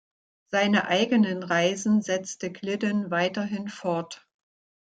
Seine eigenen Reisen setzte Glidden weiterhin fort.